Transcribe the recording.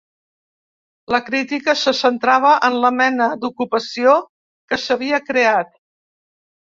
La crítica se centrava en la mena d’ocupació que s’havia creat.